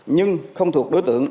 nhưng không thuộc đối tượng